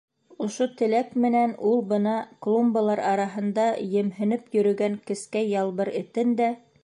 Ошо теләк менән ул бына клумбалар араһында емһенеп йөрөгән кескәй ялбыр этен дә: